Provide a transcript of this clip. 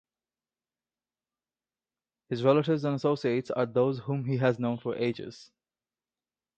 His relatives and associates are those whom he has known for ages.